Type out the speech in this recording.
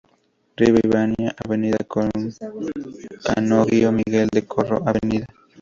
Rivadavia, Avenida Canónigo Miguel del Corro, Av.